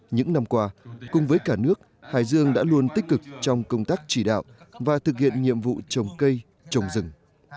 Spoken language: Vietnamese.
những năm qua cùng với cả nước hải dương đã luôn tích cực trong công tác chỉ đạo và thực hiện nhiệm vụ trồng cây trồng rừng